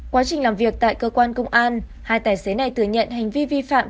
quá trình làm việc tại cơ quan công an hai tài xế này thừa nhận hành vi vi phạm